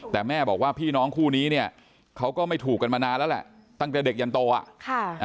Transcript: แต่แม่บอกว่าพี่น้องคู่นี้เนี่ยเขาก็ไม่ถูกกันมานานแล้วแหละตั้งแต่เด็กยันโตอ่ะค่ะ